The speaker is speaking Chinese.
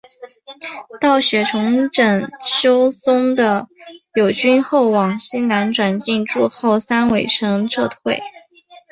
道雪重整休松的友军后往西南转进筑后山隈城撤退。